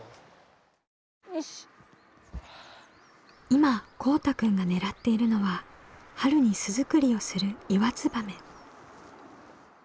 今こうたくんが狙っているのは春に巣作りをするイワツバメ。